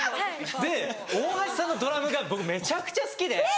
で大橋さんのドラムが僕めちゃくちゃ好きで。え！